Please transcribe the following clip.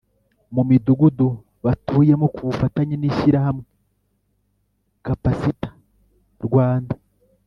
Mu midugudu batuyemo ku bufatanye n ishyirahamwe capacitar rwanda